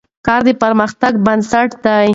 کار د پرمختګ بنسټ دی.